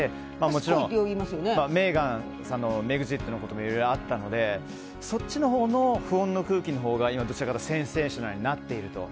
もちろん、メーガンさんのことやブレグジットのことなどいろいろあったのでそっちのほうの不穏な空気のほうが今は、どちらかというとセンセーショナルになっていると。